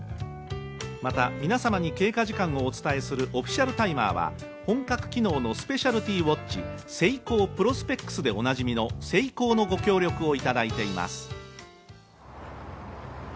また皆様に経過時間をお伝えするオフィシャルタイマーは本格機能のスペシャルティ・ウオッチセイコープロスペックスでおなじみのＳＥＩＫＯのご協力を頂いています。